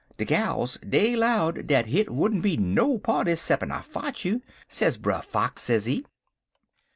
De gals, dey 'lowed dat hit wouldn't be no party 'ceppin' I fotch you,' sez Brer Fox, sezee.